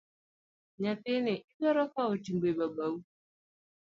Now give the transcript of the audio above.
Nyathini idwaro kawo timbe babau.